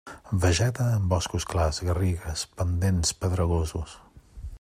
Vegeta en boscos clars, garrigues, pendents pedregosos.